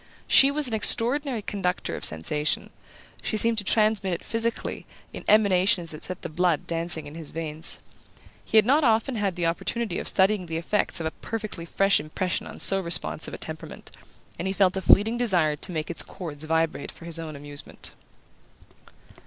She was an extraordinary conductor of sensation: she seemed to transmit it physically, in emanations that set the blood dancing in his veins. He had not often had the opportunity of studying the effects of a perfectly fresh impression on so responsive a temperament, and he felt a fleeting desire to make its chords vibrate for his own amusement.